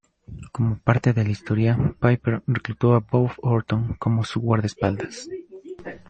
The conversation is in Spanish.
Como parte de la historia, Piper reclutó a Bob Orton como su guardaespaldas.